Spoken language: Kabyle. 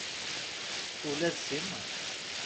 Ula d Sima.